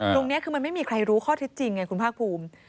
ตรงนี้คือมันไม่มีใครรู้ข้อเท็จจริงไงคุณภาคภูมิ